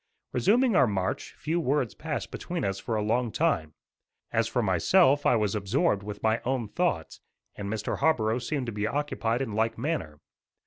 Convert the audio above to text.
Resuming our march, few words passed between us for a long time. As for myself, I was absorbed with my own thoughts, and Mr. Harborough seemed to be occupied in like manner.